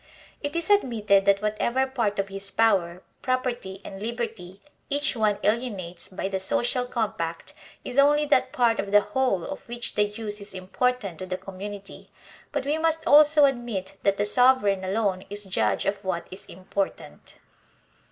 It is admitted that whatever part of his power, prop erty, and liberty each one alienates by the social com pact is only that part of the whole of which the use is important to the community; but we must also admit that the sovereign alone is judge of what is important.